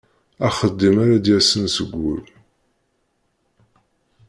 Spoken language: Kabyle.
Axeddim ara d-yasen seg wul.